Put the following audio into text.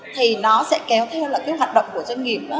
thì nó sẽ kéo theo hoạt động của doanh nghiệp